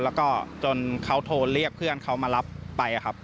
แล้วก็จนเขาโทรเรียกเพื่อนเขามารับไปครับ